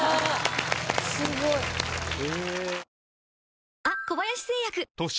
すごい！へえ！